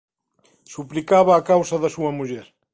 Suplicaba a causa da súa muller.